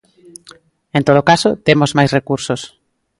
En todo caso, temos máis recursos.